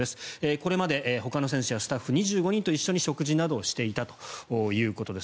これまでほかの選手やスタッフ２５人と一緒に食事などをしていたということです。